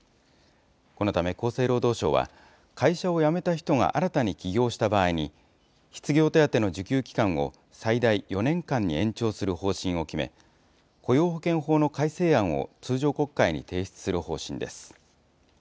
このため、厚生労働省は、会社を辞めた人が新たに起業した場合に、失業手当の受給期間を最大４年間に延長する方針を決め、雇用保険法の改正案を通常国会に提出する方針です。